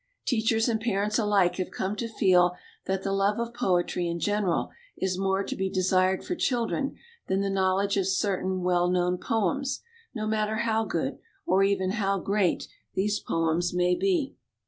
Teachers and parents alike have come to feel that the love of poetry in general is more to be desired for children than the knowl edge of certain "w r ell known" poems, no matter how good, or even how great, these poems may be.